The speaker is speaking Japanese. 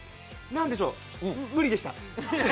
何でしょう、無理でした。